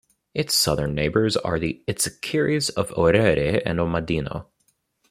Its southern neighbours are the Itsekiris of Orere and Omadino.